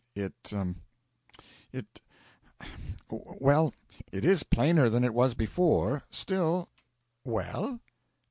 'It it well, it is plainer than it was before; still ' 'Well?'